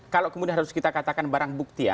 kalau kemudian harus kita katakan barang bukti ya